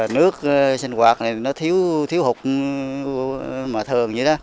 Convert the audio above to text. nước sinh hoạt này nó thiếu hụt mà thường như thế